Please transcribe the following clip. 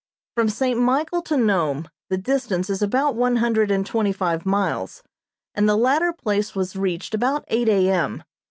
From St. Michael to Nome, the distance is about one hundred and twenty five miles, and the latter place was reached about eight A. M.